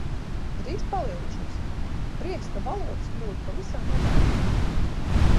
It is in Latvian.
Drīkst palielīšos? Prieks, ka valodas kļūdu pavisam nedaudz.